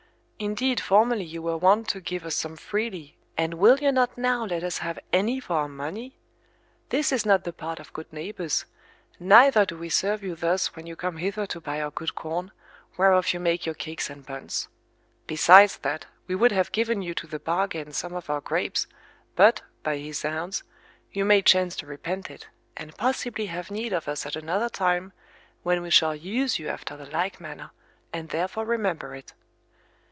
Indeed formerly you were wont to give us some freely, and will you not now let us have any for our money? This is not the part of good neighbours, neither do we serve you thus when you come hither to buy our good corn, whereof you make your cakes and buns. Besides that, we would have given you to the bargain some of our grapes, but, by his zounds, you may chance to repent it, and possibly have need of us at another time, when we shall use you after the like manner, and therefore remember it.